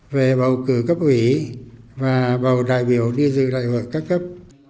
về bầu cử cấp ủy và bầu đại biểu đi dự đại hội các cấp